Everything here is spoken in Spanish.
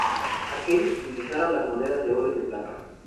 Aquellos utilizaron las monedas de oro y de plata.